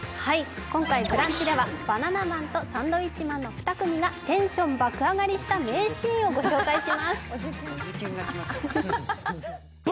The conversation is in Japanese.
今回「ブランチ」ではバナナマンとサンドウィッチマンの２組がテンション爆上がりした名シーンをお送りします。